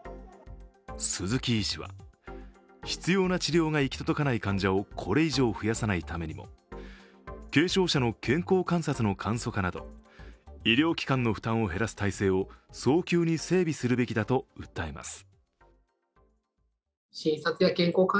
鈴木医師は必要な治療が行き届かない患者をこれ以上増やさないために軽症者の健康観察の簡素化など医療機関の負担を減らす体制を早急に整備するべきだと訴えます。